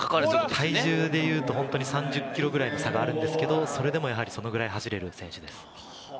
体重でいうと３０ｋｇぐらいの差があるんですけれど、それでもやはり、それぐらい走れる選手です。